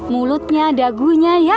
mulutnya dagunya ya